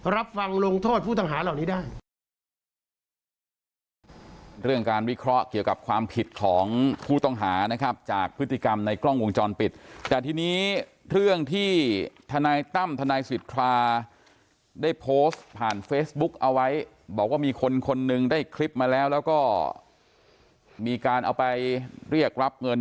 รับฟังลงโทษผู้ต่างหาเหล่านี้ได้